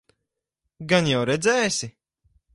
Gan jau redzēsi?